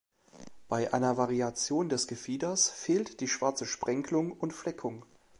Bei einer Variation des Gefieders fehlt die schwarze Sprenkelung und Fleckung.